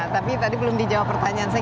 tapi tadi belum dijawab pertanyaan saya